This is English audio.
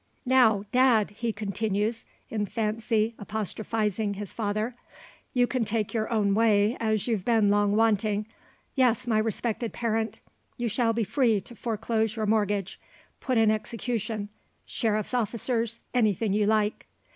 "Now, dad!" he continues, in fancy apostrophising his father, "you can take your own way, as you've been long wanting. Yes, my respected parent; you shall be free to foreclose your mortgage; put in execution; sheriff's officers anything you like."